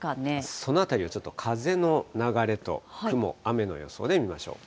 そのあたりをちょっと風の流れと雲、雨の予想で見ましょう。